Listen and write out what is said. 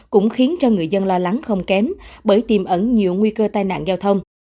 cũng khiến cho người dân lo lắng không kém bởi tiềm ẩn nhiều nguy cơ tai nạn giao thông